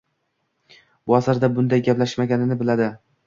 Bu asrda bunday gaplashilmaganini biladi.